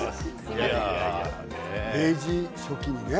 明治初期にね。